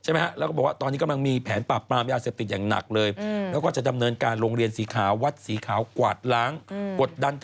มีใครได้ไปชอบช่วยชาติบ้างหมดยังค่ะ